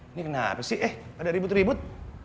ini kenapa sih eh pada ribut ribut